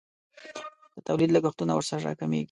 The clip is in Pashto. د تولید لګښتونه ورسره راکمیږي.